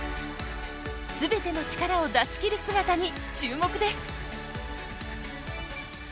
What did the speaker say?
すべての力を出し切る姿に注目です。